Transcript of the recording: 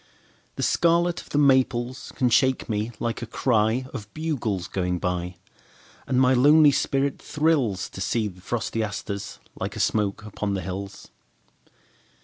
The scarlet of the maples can shake me like a cryOf bugles going by. And my lonely spirit thrillsTo see the frosty asters like a smoke upon the hills.